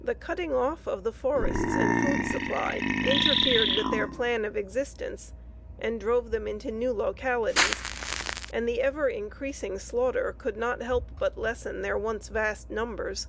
The cutting off of the forests and food supply interfered with their plan of existence and drove them into new localities, and the ever increasing slaughter could not help but lessen their once vast numbers.